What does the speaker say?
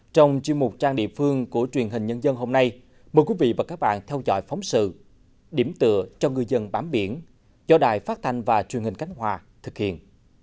trong chuyên mục trang địa phương của truyền hình nhân dân hôm nay mời quý vị và các bạn theo dõi phóng sự điểm tựa cho ngư dân bám biển do đài phát thanh và truyền hình cánh hòa thực hiện